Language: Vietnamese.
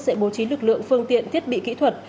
sẽ bố trí lực lượng phương tiện thiết bị kỹ thuật